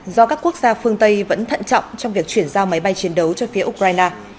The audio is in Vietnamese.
do các quốc gia phương tây vẫn thận trọng trong việc chuyển giao máy bay chiến đấu cho phía ukraine